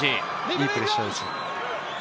いいプレッシャーです。